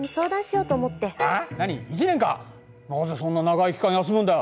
なぜそんな長い期間休むんだ？